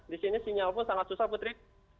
disini sinyal pun sangat susah putri